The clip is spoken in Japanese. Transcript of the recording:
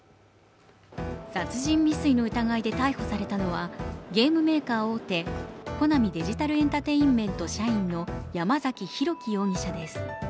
殺人未遂の疑いで逮捕されたのは、ゲームメーカー大手、コナミデジタルエンタテインメント社員の山崎裕基容疑者です。